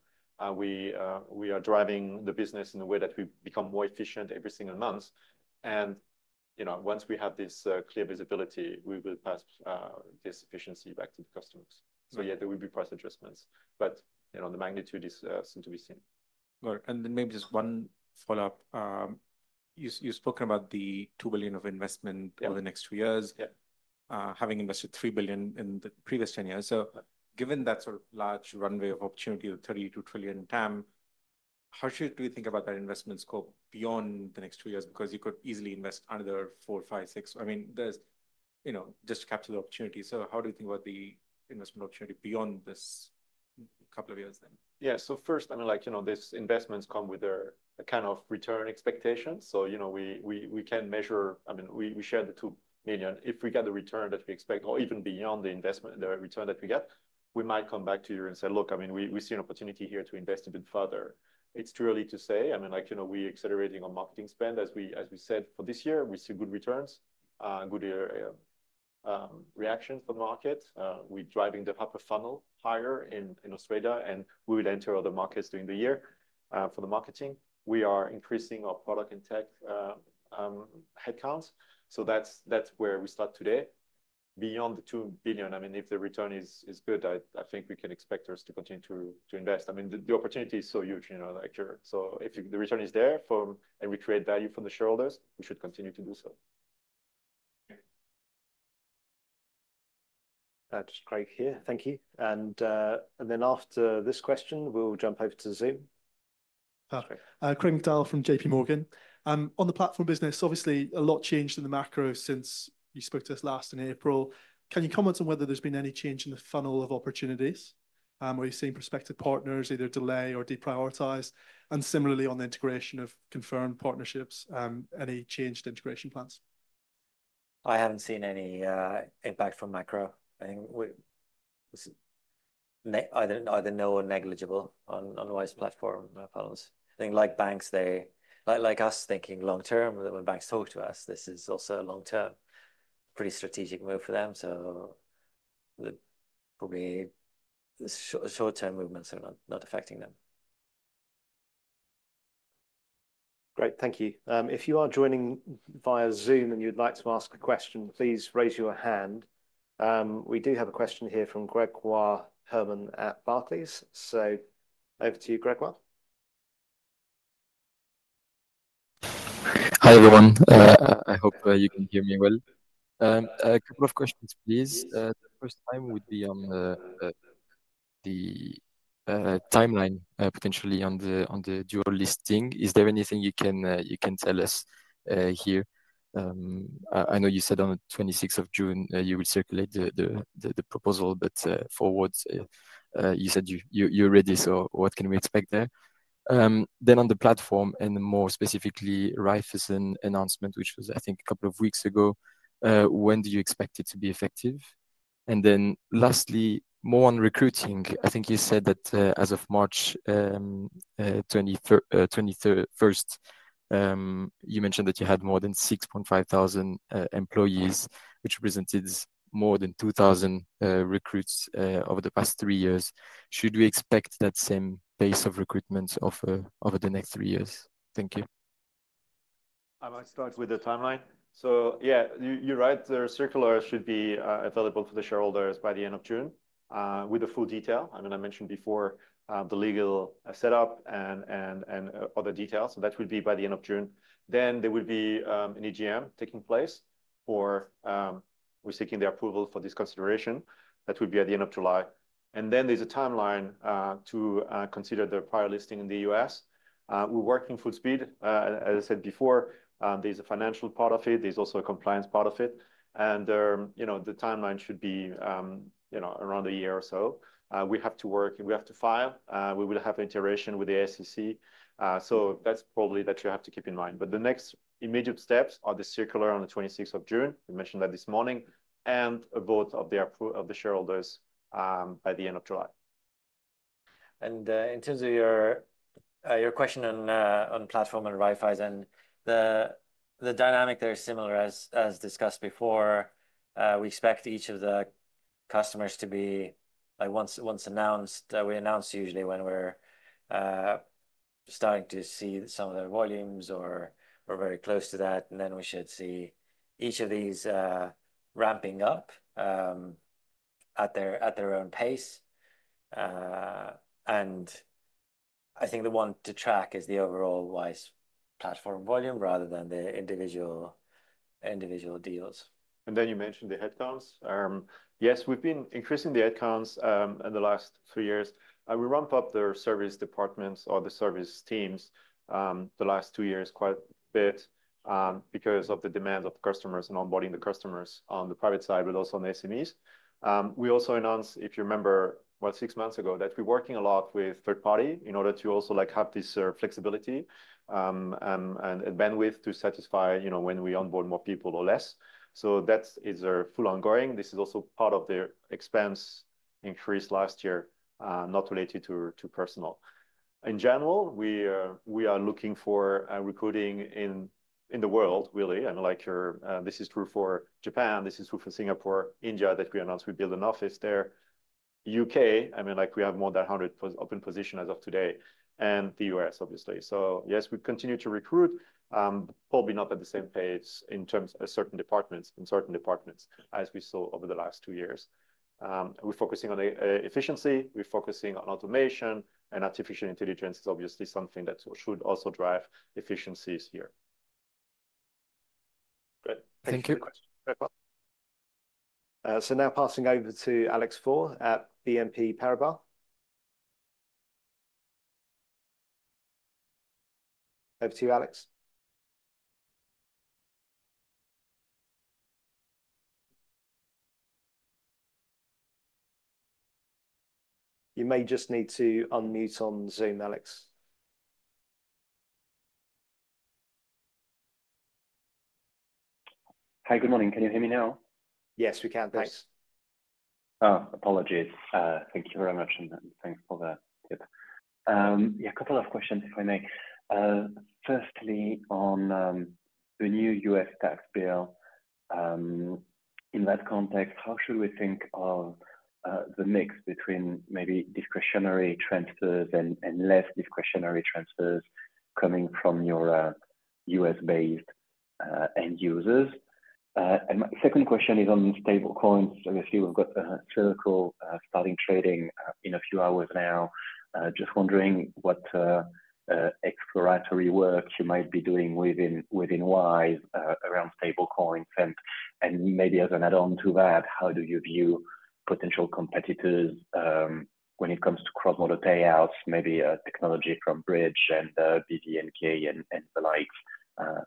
We are driving the business in a way that we become more efficient every single month. You know, once we have this clear visibility, we will pass this efficiency back to the customers. Yeah, there will be price adjustments. You know, the magnitude is soon to be seen. Maybe just one follow-up. You've spoken about the 2 billion of investment over the next two years, having invested 3 billion in the previous 10 years. Given that sort of large runway of opportunity, the 32 trillion TAM, how should we think about that investment scope beyond the next two years? You could easily invest another 4 billion, 5 billion, 6 billion, just to capture the opportunity. How do you think about the investment opportunity beyond this couple of years then? Yeah, first, I mean, like, you know, these investments come with their kind of return expectations. You know, we can measure, I mean, we share the 2 million. If we get the return that we expect or even beyond the investment, the return that we get, we might come back to you and say, "Look, I mean, we see an opportunity here to invest a bit further." It's too early to say. I mean, like, you know, we're accelerating our marketing spend. As we said for this year, we see good returns, good reactions for the market. We're driving the funnel higher in Australia, and we will enter other markets during the year. For the marketing, we are increasing our product and tech headcounts. That's where we start today. Beyond the 2 billion, if the return is good, I think we can expect us to continue to invest. I mean, the opportunity is so huge, you know, like sure. If the return is there and we create value for the shareholders, we should continue to do so. That's great here. Thank you. After this question, we'll jump over to Zoom. Perfect. Craig McDowell from JP Morgan. On the platform business, obviously a lot changed in the macro since you spoke to us last in April. Can you comment on whether there's been any change in the funnel of opportunities? Are you seeing prospective partners either delay or deprioritize? Similarly, on the integration of confirmed partnerships, any changed integration plans? I haven't seen any impact from macro. I think either no or negligible on Wise Platform funnels. I think like banks, they like us thinking long term. When banks talk to us, this is also a long term, pretty strategic move for them. Probably short term movements are not affecting them. Great. Thank you. If you are joining via Zoom and you'd like to ask a question, please raise your hand. We do have a question here from Gregoire Hermann at Barclays. So over to you, Gregoire. Hi everyone. I hope you can hear me well. A couple of questions, please. The first time would be on the timeline, potentially on the dual listing. Is there anything you can tell us here? I know you said on the 26th of June, you will circulate the proposal, but forwards, you said you're ready. What can we expect there? Then on the platform and more specifically, Raiffeisen's announcement, which was, I think, a couple of weeks ago. When do you expect it to be effective? And then lastly, more on recruiting. I think you said that as of March 21st, you mentioned that you had more than 6,500 employees, which represented more than 2,000 recruits over the past three years. Should we expect that same pace of recruitment over the next three years? Thank you. I might start with the timeline. Yeah, you're right. The circular should be available to the shareholders by the end of June with the full detail. I mentioned before the legal setup and other details. That would be by the end of June. There would be an EGM taking place where we're seeking the approval for this consideration. That would be at the end of July. There's a timeline to consider the prior listing in the U.S. We're working full speed. As I said before, there's a financial part of it. There's also a compliance part of it. You know, the timeline should be, you know, around a year or so. We have to work and we have to file. We will have an iteration with the SEC. That is probably what you have to keep in mind. The next immediate steps are the circular on the 26th of June. We mentioned that this morning and a vote of the shareholders by the end of July. In terms of your question on platform and Raiffeisen, the dynamic there is similar as discussed before. We expect each of the customers to be once announced. We announce usually when we are starting to see some of the volumes or very close to that. We should see each of these ramping up at their own pace. I think the one to track is the overall Wise Platform volume rather than the individual deals. You mentioned the headcounts. Yes, we've been increasing the headcounts in the last three years. We ramp up the service departments or the service teams the last two years quite a bit because of the demand of the customers and onboarding the customers on the private side, but also on SMEs. We also announced, if you remember, about six months ago that we're working a lot with third party in order to also have this flexibility and bandwidth to satisfy, you know, when we onboard more people or less. That is a full ongoing. This is also part of the expense increase last year, not related to personal. In general, we are looking for recruiting in the world, really. Like this is true for Japan, this is true for Singapore, India that we announced we build an office there. U.K., I mean, like we have more than 100 open positions as of today. And the U.S., obviously. Yes, we continue to recruit, probably not at the same pace in terms of certain departments and certain departments as we saw over the last two years. We're focusing on efficiency. We're focusing on automation and artificial intelligence is obviously something that should also drive efficiencies here. Great. Thank you. Now passing over to Alex Faure at BNP Paribas. Over to you, Alex. You may just need to unmute on Zoom, Alex. Hi, good morning. Can you hear me now? Yes, we can, thanks. Oh, apologies. Thank you very much and thanks for the tip. Yeah, a couple of questions if I may. Firstly, on the new U.S. tax bill, in that context, how should we think of the mix between maybe discretionary transfers and less discretionary transfers coming from your U,S.-based end users? And my second question is on stable coins. Obviously, we've got a cynical starting trading in a few hours now. Just wondering what exploratory work you might be doing within Wise around stable coins and maybe as an add-on to that, how do you view potential competitors when it comes to cross-border payouts, maybe technology from Bridge and BDNK and the likes?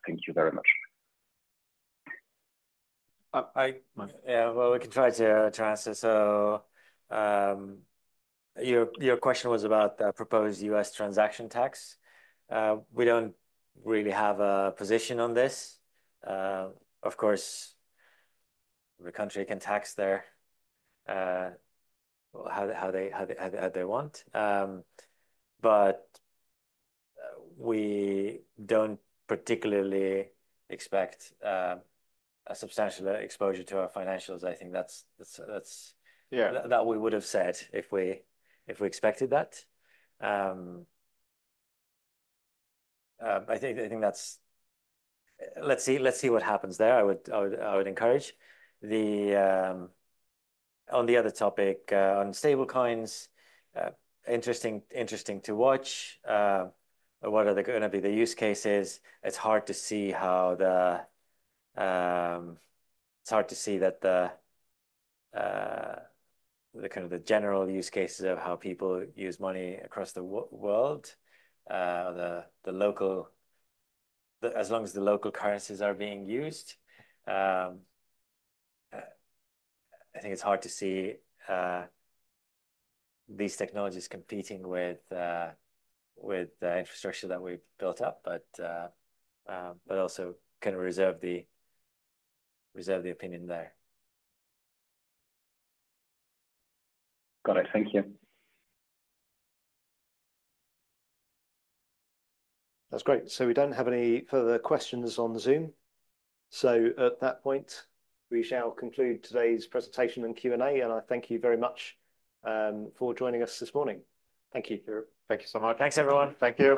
Thank you very much. Yeah, we can try to answer. Your question was about the proposed U.S. transaction tax. We do not really have a position on this. Of course, the country can tax there how they want. We do not particularly expect a substantial exposure to our financials. I think that's what we would have said if we expected that. I think that's—let's see what happens there. I would encourage. On the other topic, on stable coins, interesting to watch. What are the going to be the use cases? It's hard to see how the—it's hard to see that the kind of the general use cases of how people use money across the world, the local, as long as the local currencies are being used. I think it's hard to see these technologies competing with the infrastructure that we've built up, but also kind of reserve the opinion there. Got it. Thank you. That's great. We do not have any further questions on Zoom. At that point, we shall conclude today's presentation and Q&A. I thank you very much for joining us this morning. Thank you. Thank you so much. Thanks, everyone. Thank you.